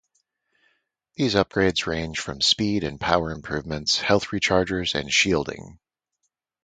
These upgrades range from speed and power improvements, health rechargers, and shielding.